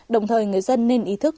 đồng thời người dân nên ý thức